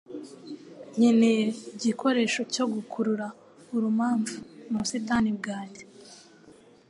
Nkeneye igikoresho cyo gukurura urumamfu mu busitani bwanjye.